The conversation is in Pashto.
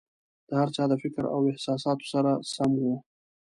د هر چا د فکر او احساساتو سره سم وو.